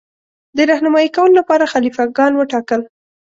د رهنمايي کولو لپاره خلیفه ګان وټاکل.